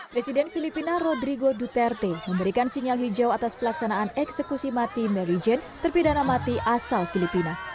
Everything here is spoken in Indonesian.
presiden filipina rodrigo duterte memberikan sinyal hijau atas pelaksanaan eksekusi mati mary jane terpidana mati asal filipina